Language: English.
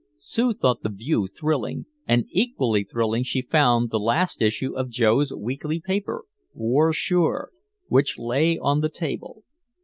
Sue thought the view thrilling, and equally thrilling she found the last issue of Joe's weekly paper, War Sure, which lay on the table.